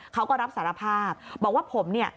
เขาก็รับสารภาพบอกว่าผมเนี่ย